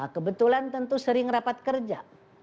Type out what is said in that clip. kebetulan tentu sering rapat kerja